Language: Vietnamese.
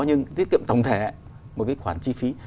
nhưng tiết kiệm tổng thể một cái khoản chi phí